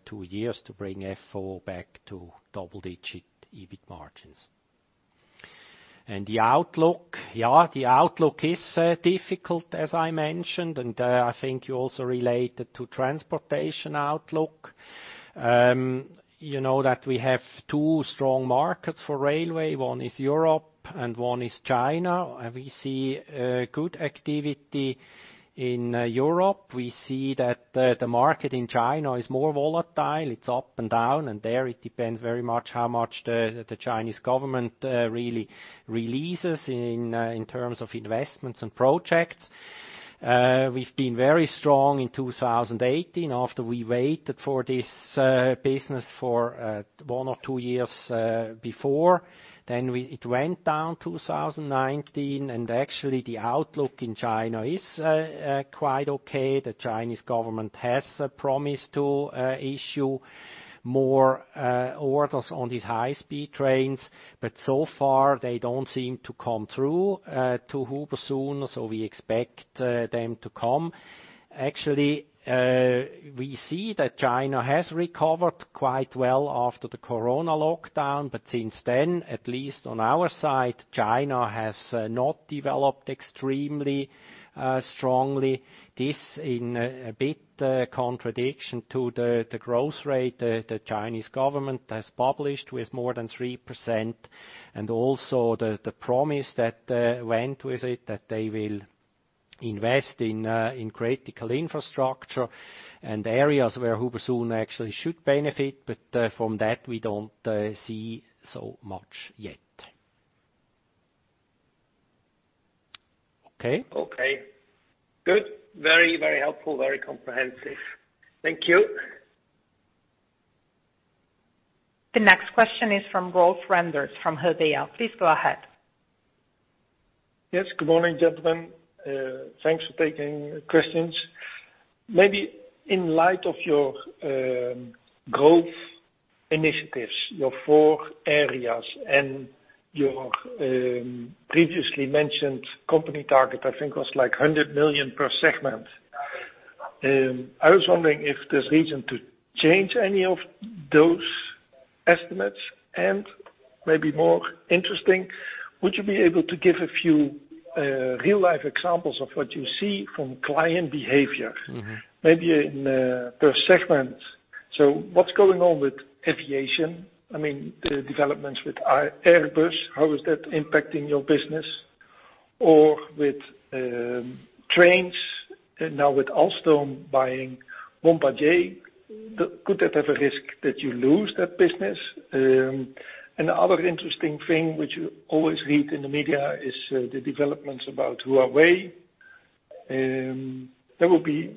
two years to bring FO back to double-digit EBIT margins. The outlook. Yeah, the outlook is difficult as I mentioned, and I think you also relate it to transportation outlook. You know that we have two strong markets for railway. One is Europe and one is China. We see good activity in Europe. We see that the market in China is more volatile. It's up and down, and there it depends very much how much the Chinese government really releases in terms of investments and projects. We've been very strong in 2018 after we waited for this business for one or two years before. It went down 2019, and actually the outlook in China is quite okay. The Chinese government has promised to issue more orders on these high-speed trains, but so far they don't seem to come through to HUBER+SUHNER, so we expect them to come. Actually, we see that China has recovered quite well after the coronavirus lockdown, but since then, at least on our side, China has not developed extremely strongly. This in a bit contradiction to the growth rate the Chinese government has published with more than 3% and also the promise that went with it that they will invest in critical infrastructure and areas where HUBER+SUHNER actually should benefit. From that we don't see so much yet. Okay? Okay. Good. Very helpful, very comprehensive. Thank you. The next question is from Rolf Renders from Helvea. Please go ahead. Yes, good morning, gentlemen. Thanks for taking questions. Maybe in light of your growth initiatives, your four areas and your previously mentioned company target, I think was like 100 million per segment. I was wondering if there's reason to change any of those estimates, and maybe more interesting, would you be able to give a few real-life examples of what you see from client behavior? Maybe per segment. What's going on with aviation? The developments with Airbus, how is that impacting your business? Or with trains now with Alstom buying Bombardier, could that have a risk that you lose that business? And the other interesting thing which you always read in the media is the developments about Huawei. That would be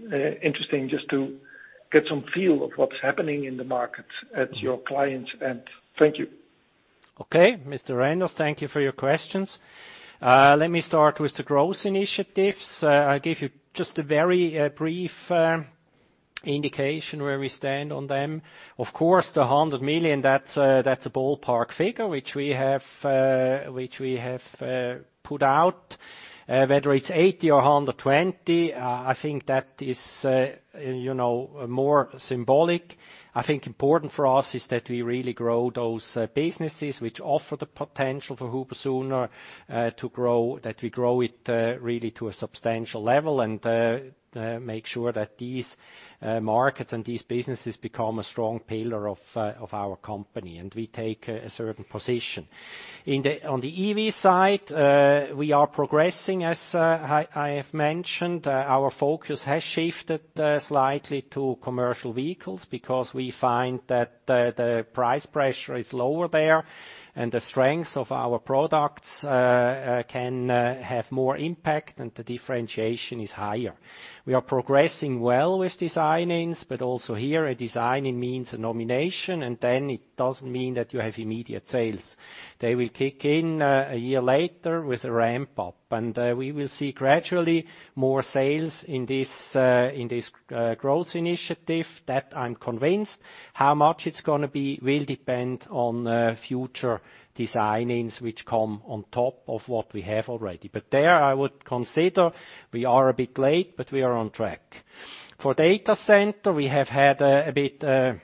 interesting just to get some feel of what's happening in the market at your client end. Thank you. Okay, Mr. Renders, thank you for your questions. Let me start with the growth initiatives. I'll give you just a very brief indication where we stand on them. Of course, the 100 million, that's a ballpark figure, which we have put out. Whether it's 80 million or 120 million, I think that is more symbolic. I think important for us is that we really grow those businesses which offer the potential for HUBER+SUHNER to grow. That we grow it really to a substantial level and make sure that these markets and these businesses become a strong pillar of our company, and we take a certain position. On the EV side, we are progressing, as I have mentioned. Our focus has shifted slightly to commercial vehicles because we find that the price pressure is lower there and the strength of our products can have more impact and the differentiation is higher. We are progressing well with design-ins. Also here, a design-in means a nomination, and then it doesn't mean that you have immediate sales. They will kick in a year later with a ramp-up. We will see gradually more sales in this growth initiative. That I'm convinced. How much it's going to be will depend on future design-ins which come on top of what we have already. There I would consider we are a bit late, but we are on track. For data center, we have had a bit a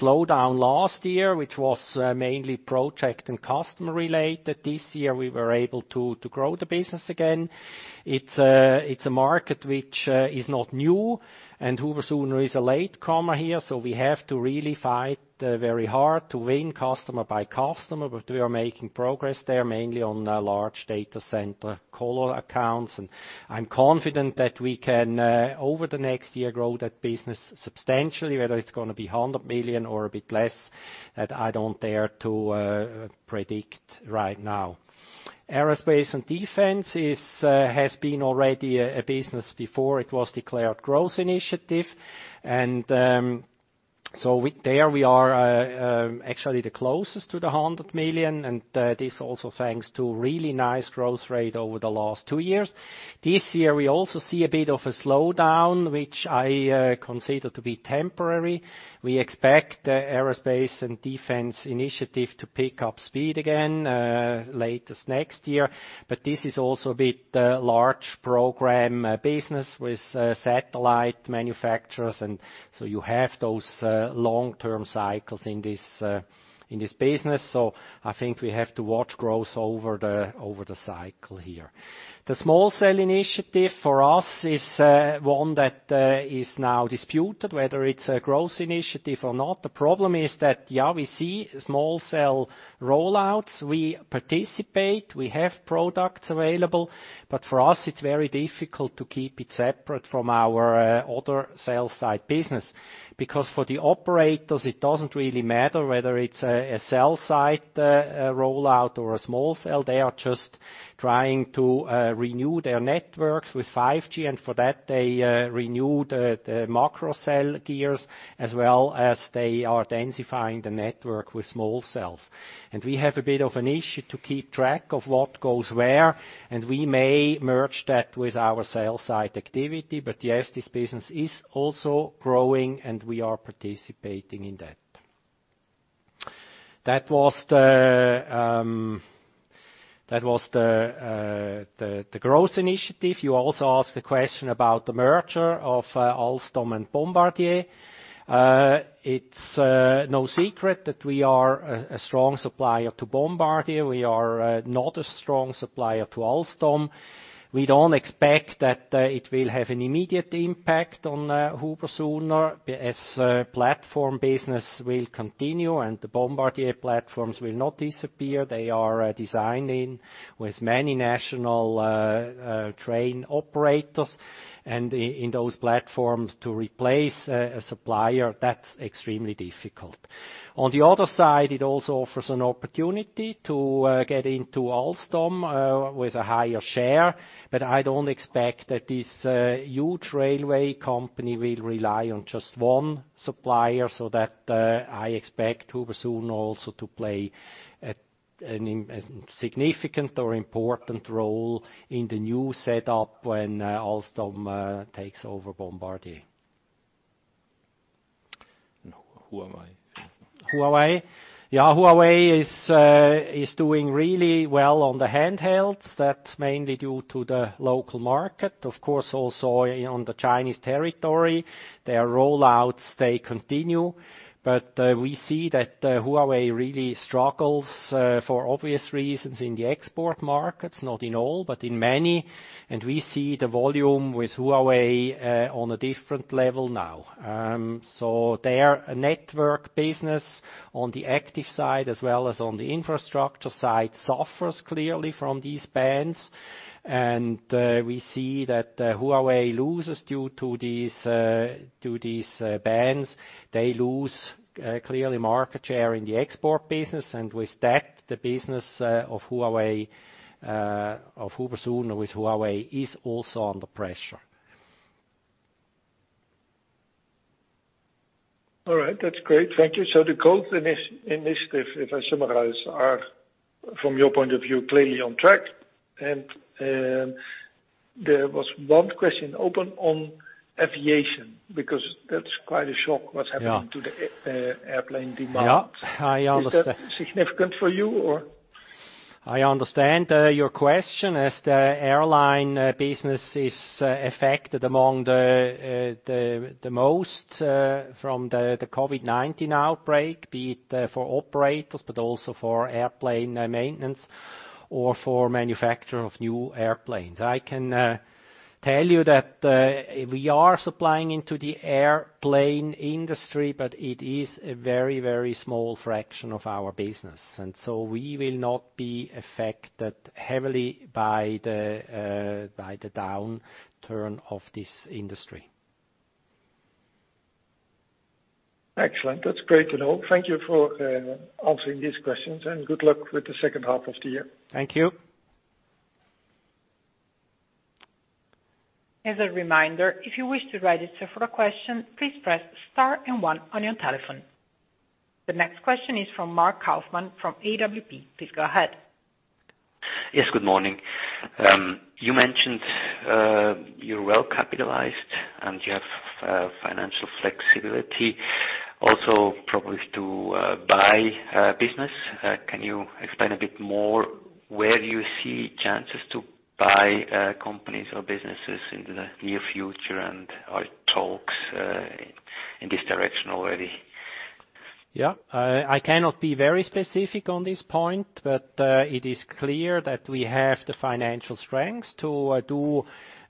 slowdown last year, which was mainly project and customer related. This year, we were able to grow the business again. It's a market which is not new, and HUBER+SUHNER is a latecomer here, so we have to really fight very hard to win customer by customer. We are making progress there, mainly on large data center core accounts. I'm confident that we can, over the next year, grow that business substantially, whether it's going to be 100 million or a bit less, that I don't dare to predict right now. Aerospace and Defense has been already a business before it was declared Growth Initiative. There we are actually the closest to the 100 million, and this also thanks to really nice growth rate over the last two years. This year, we also see a bit of a slowdown, which I consider to be temporary. We expect the Aerospace and Defense Initiative to pick up speed again latest next year. This is also a bit large program business with satellite manufacturers, so you have those long-term cycles in this business. I think we have to watch growth over the cycle here. The small cell initiative for us is one that is now disputed, whether it's a growth initiative or not. The problem is that, yeah, we see small cell roll-outs. We participate. We have products available. For us, it's very difficult to keep it separate from our other cell site business, because for the operators, it doesn't really matter whether it's a cell site roll-out or a small cell. They are just trying to renew their networks with 5G, and for that, they renew the macro cell gears as well as they are densifying the network with small cells. We have a bit of an issue to keep track of what goes where, and we may merge that with our cell site activity. Yes, this business is also growing, and we are participating in that. That was the growth initiative. You also asked a question about the merger of Alstom and Bombardier. It's no secret that we are a strong supplier to Bombardier. We are not a strong supplier to Alstom. We don't expect that it will have an immediate impact on HUBER+SUHNER, as platform business will continue and the Bombardier platforms will not disappear. They are designing with many national train operators. In those platforms to replace a supplier, that's extremely difficult. On the other side, it also offers an opportunity to get into Alstom with a higher share, but I don't expect that this huge railway company will rely on just one supplier, so that I expect HUBER+SUHNER also to play a significant or important role in the new setup when Alstom takes over Bombardier. Huawei? Huawei? Yeah, Huawei is doing really well on the handhelds. That's mainly due to the local market. Of course, also on the Chinese territory, their roll-outs, they continue. We see that Huawei really struggles for obvious reasons in the export markets, not in all, but in many. We see the volume with Huawei on a different level now. Their network business on the active side as well as on the infrastructure side suffers clearly from these bans. We see that Huawei loses due to these bans. They lose clearly market share in the export business, and with that, the business of HUBER+SUHNER with Huawei is also under pressure. All right. That's great. Thank you. The growth initiatives, if I summarize, are from your point of view, clearly on track. There was one question open on aviation, because that's quite a shock what's happening. Yeah to the airplane demand. Yeah. I understand. Is that significant for you, or? I understand your question, as the airline business is affected among the most from the COVID-19 outbreak, be it for operators, but also for airplane maintenance or for manufacturer of new airplanes. I can tell you that we are supplying into the airplane industry, but it is a very small fraction of our business. We will not be affected heavily by the downturn of this industry. Excellent. That's great to know. Thank you for answering these questions, and good luck with the second half of the year. Thank you. As a reminder, if you wish to register for a question, please press star and one on your telephone. The next question is from Marc Kaufmann from AWP. Please go ahead. Yes, good morning. You mentioned you're well capitalized and you have financial flexibility also probably to buy a business. Can you explain a bit more where you see chances to buy companies or businesses in the near future? Are there talks in this direction already? Yeah. I cannot be very specific on this point, but it is clear that we have the financial strength to do,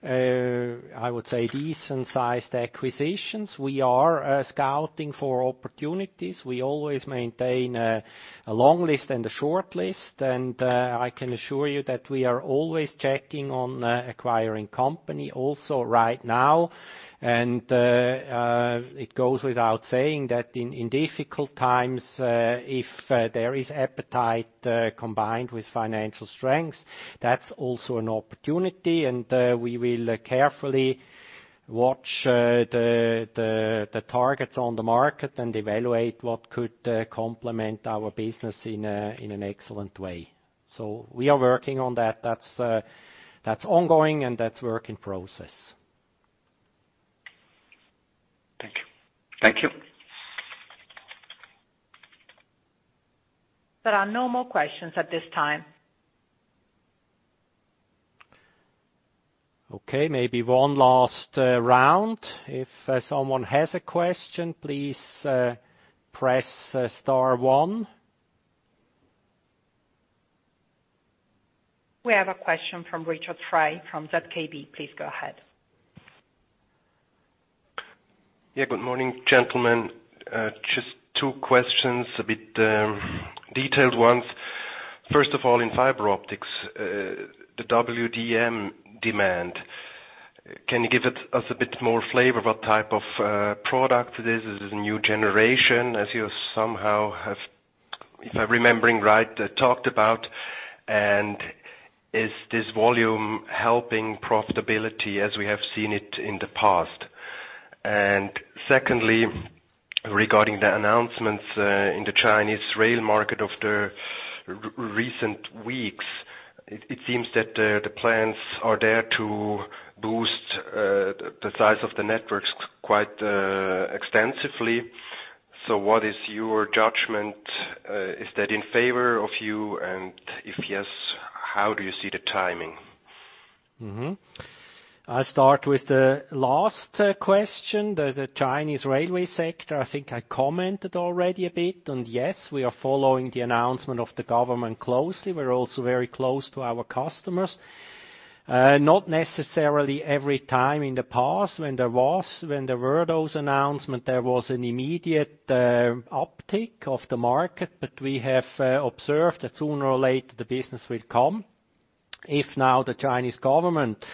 I would say, decent sized acquisitions. We are scouting for opportunities. We always maintain a long list and a short list, and I can assure you that we are always checking on acquiring company also right now. It goes without saying that in difficult times, if there is appetite combined with financial strength, that's also an opportunity, and we will carefully watch the targets on the market and evaluate what could complement our business in an excellent way. We are working on that. That's ongoing and that's work in process. Thank you. Thank you. There are no more questions at this time. Okay, maybe one last round. If someone has a question, please press star one. We have a question from Richard Frei from ZKB. Please go ahead. Good morning, gentlemen. Just two questions, a bit detailed ones. First of all, in Fiber Optics, the WDM demand. Can you give us a bit more flavor what type of product it is? Is it new generation, as you somehow have, if I’m remembering right, talked about? Is this volume helping profitability as we have seen it in the past? Secondly, regarding the announcements in the Chinese rail market of the recent weeks, it seems that the plans are there to boost the size of the networks quite extensively. What is your judgment? Is that in favor of you? If yes, how do you see the timing? I'll start with the last question. The Chinese railway sector, I think I commented already a bit. Yes, we are following the announcement of the government closely. We're also very close to our customers. Not necessarily every time in the past when there were those announcements, there was an immediate uptick of the market. We have observed that sooner or later, the business will come. If now the Chinese government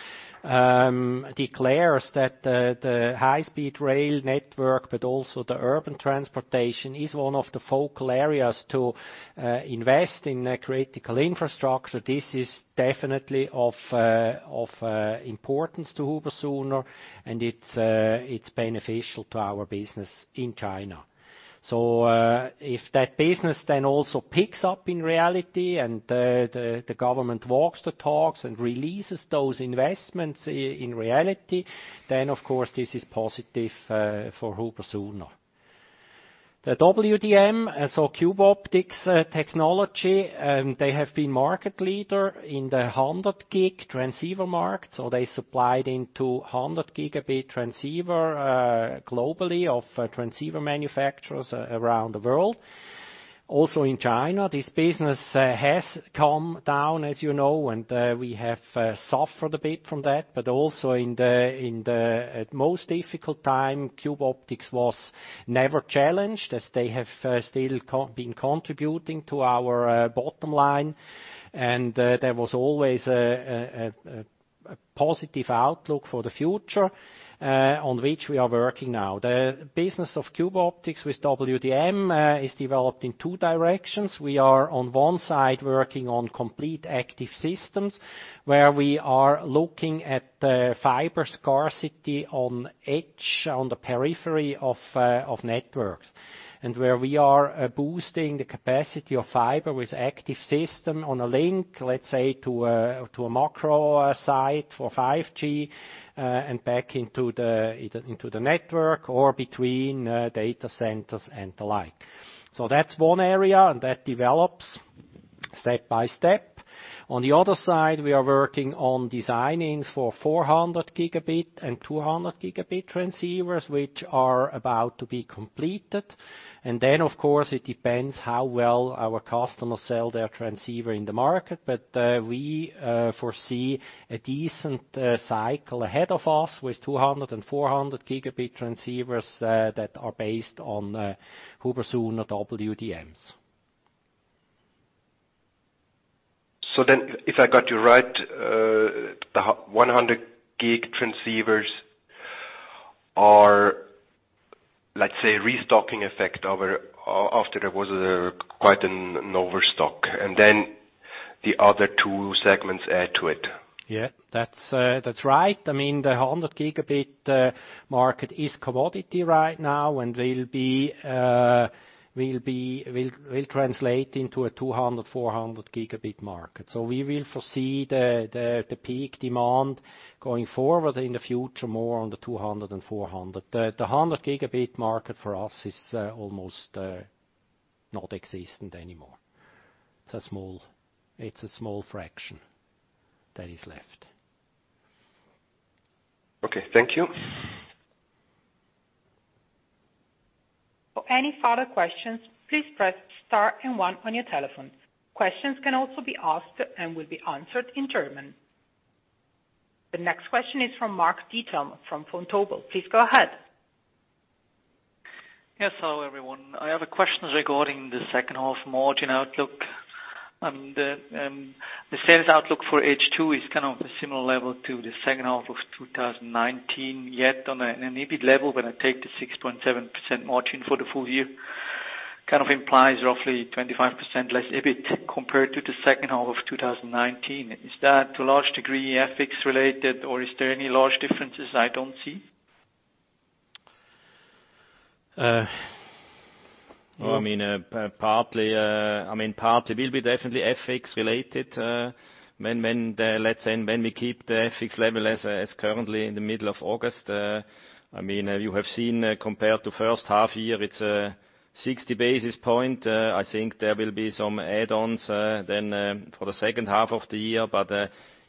declares that the high-speed rail network, but also the urban transportation, is one of the focal areas to invest in critical infrastructure, this is definitely of importance to HUBER+SUHNER, and it's beneficial to our business in China. If that business then also picks up in reality and the government walks the talks and releases those investments in reality, then of course, this is positive for HUBER+SUHNER. The WDM, Cube Optics technology, they have been market leader in the 100G optical transceiver market. They supplied into 100 Gb transceiver globally of transceiver manufacturers around the world. In China, this business has come down, as you know, and we have suffered a bit from that. Also in the most difficult time, Cube Optics was never challenged, as they have still been contributing to our bottom line. There was always a positive outlook for the future, on which we are working now. The business of Cube Optics with WDM is developed in two directions. We are on one side, working on complete active systems, where we are looking at fiber scarcity on edge, on the periphery of networks, and where we are boosting the capacity of fiber with active system on a link, let's say, to a macro site for 5G and back into the network or between data centers and the like. That's one area, and that develops step by step. On the other side, we are working on designing for 400 Gb and 200 Gb transceivers, which are about to be completed. Then, of course, it depends how well our customers sell their transceiver in the market. We foresee a decent cycle ahead of us with 200 Gb and 400 Gb transceivers that are based on HUBER+SUHNER WDMs. If I got you right, the 100 Gb transceivers are, let's say, restocking effect after there was quite an overstock, and then the other two segments add to it. Yeah. That's right. I mean, the 100 Gigabit market is commodity right now, will translate into a 200 Gb, 400 Gb market. We will foresee the peak demand going forward in the future, more on the 200 Gb and 400 Gb. The 100 Gb market for us is almost non-existent anymore. It's a small fraction that is left. Okay. Thank you. For any further questions, please press star and one on your telephone. Questions can also be asked and will be answered in German. The next question is from Mark Diethelm from Vontobel. Please go ahead. Yes. Hello, everyone. I have a question regarding the second half margin outlook, and the sales outlook for H2 is kind of a similar level to the second half of 2019. On an EBIT level, when I take the 6.7% margin for the full-year, kind of implies roughly 25% less EBIT compared to the second half of 2019. Is that to large degree FX related or is there any large differences I don't see? Partly will be definitely FX related. Let's say when we keep the FX level as currently in the middle of August, you have seen compared to first half-year, it's a 60 basis points. I think there will be some add-ons then for the second half of the year.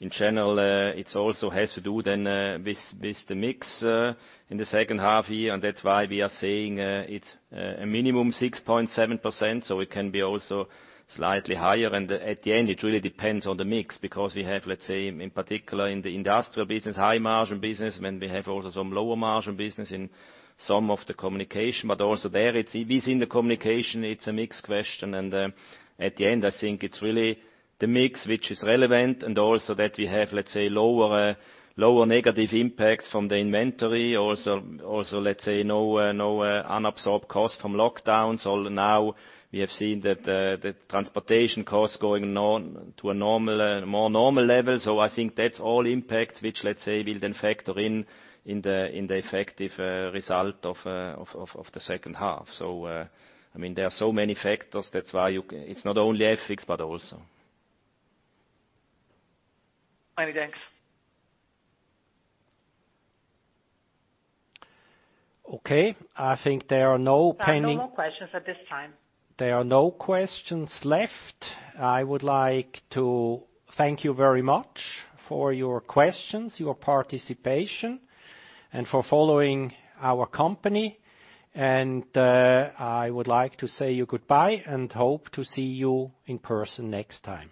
In general, it also has to do then with the mix in the second half-year, that's why we are saying it's a minimum 6.7%, it can be also slightly higher. At the end, it really depends on the mix because we have, let's say, in particular in the industrial business, high-margin business, when we have also some lower-margin business in some of the communication. Also there, within the communication, it's a mix question, and at the end, I think it's really the mix which is relevant and also that we have, let's say, lower negative impacts from the inventory. Let's say no unabsorbed cost from lockdowns. We have seen that the transportation costs going to a more normal level. I think that's all impacts which, let's say, will then factor in in the effective result of the second half. There are so many factors. That's why it's not only FX but also. Many thanks. Okay. I think there are no pending- There are no more questions at this time. There are no questions left. I would like to thank you very much for your questions, your participation, and for following our company. I would like to say goodbye and hope to see you in person next time.